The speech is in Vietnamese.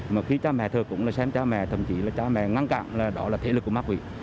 mà khi cha mẹ thờ củng là xem cha mẹ thậm chí là cha mẹ ngăn cạn là đó là thể lực của mắc quỷ